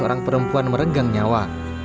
seorang perempuan meregang nyawa